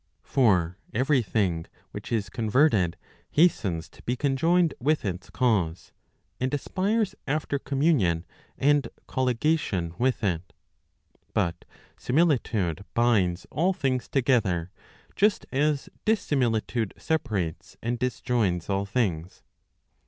For every thing which is converted, hastens to be conjoined with its cause, 1 and aspires after communion and colligation with it. But simili¬ tude binds all things together, just as dissimilitude separates and disjoins all things.